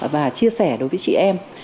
và chia sẻ đối với chị em